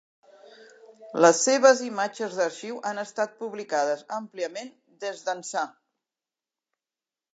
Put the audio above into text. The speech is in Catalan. Les seves imatges d'arxiu han estat publicades àmpliament des d'ençà.